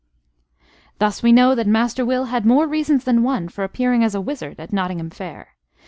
Thus we know that Master Will had more reasons than one for appearing as a wizard at Nottingham Fair.